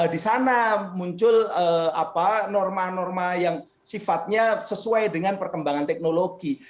di sana muncul norma norma yang sifatnya sesuai dengan perkembangan teknologi